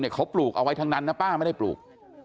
เขาปลูกเอาไว้ทั้งนั้นนะป้าไม่ได้ปลูก